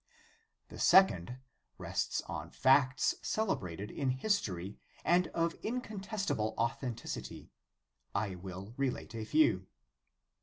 "* The second, rests on facts celebrated in history, and of incontestable authenticity : I will relate a few.